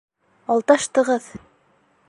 Алдаштығыҙ!